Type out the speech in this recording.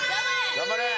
頑張れ